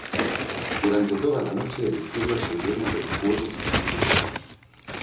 Durante toda la noche el cielo se llena de fuegos artificiales.